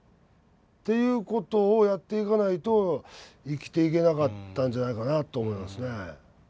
ていうことをやっていかないと生きていけなかったんじゃないかなと思いますね。